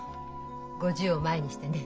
５０を前にしてね